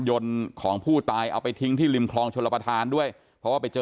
ยนต์ของผู้ตายเอาไปทิ้งที่ริมคลองชลประธานด้วยเพราะว่าไปเจอ